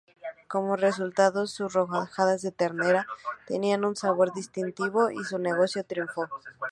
Como resultados, sus rodajas de ternera tenían un sabor distintivo, y su negocio triunfó.